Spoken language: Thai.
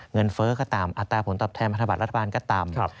เงินเฟ้อก็ต่ำอัตราผลตอบแทนมาธบาลรัฐบาลก็ต่ำ